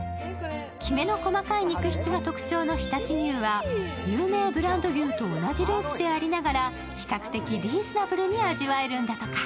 きめの細かい肉質が特徴の常陸牛は有名ブランド牛と同じルーツでありながら、比較的リーズナブルに味わえるんだとか。